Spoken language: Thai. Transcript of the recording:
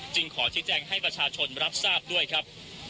ขอชิดแจ้งให้ประชาชนรับทราบด้วยครับ